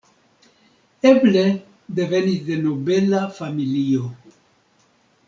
Eble devenis de nobela familio.